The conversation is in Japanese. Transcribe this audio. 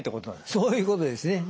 そういうことですね。